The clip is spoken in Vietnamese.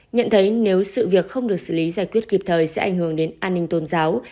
nhận thấy nếu sự việc không được xử lý giải quyết kịp thời sẽ ảnh hưởng đến an ninh tôn giáo